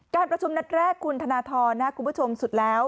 การประชุมนัดแรกคุณธนทรคุณผู้ชมสุดแล้ว